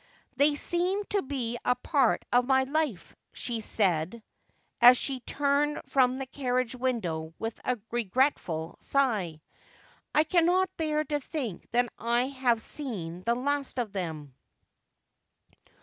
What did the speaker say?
' They seem to be a part of my life,' she said, as she turned from the carriage window with a regretful sigh ;' I cannot bear to think that I have seen the last of them.'